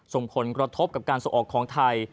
ส่วนผลกระทบกับส่วนออกของไทย